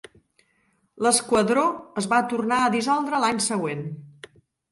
L'esquadró es va tornar a dissoldre l'any següent.